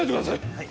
はい。